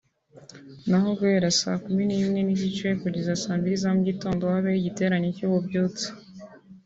naho guhera saa kumi n’imwe n’igice kugeza saa mbili za nijoro habeho igiterane cy’ububyutse